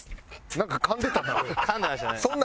なんかかんでたな。